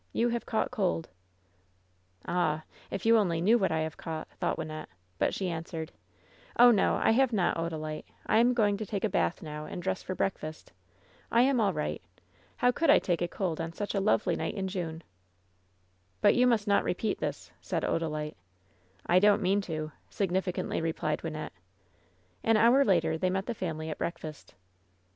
You have caught cold." LOVE'S BITTEREST CUP «89 "Ah 1 if you only knew what I have caught/' thou^t Wynnette ; but she answered : "Oh, no, I have not, Odalite. I am going to take a bath now and dress for breakfast. I am all right. How could I take cold on such a lovely night in June V^ "But you must not repeat this," said Odalite. "I don't mean to 1" significantly replied Wynnette. An hour later they met the family at breakfast.